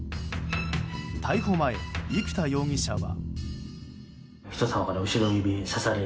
逮捕前、生田容疑者は。